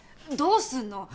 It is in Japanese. どうすんの？